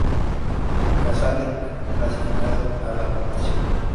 Casale clasificado a la competición.